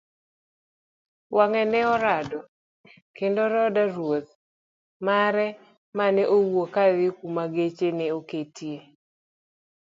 wange' ne orado kendo koda Ruoth mare mane wuok kadhi kuma geche ne oketie.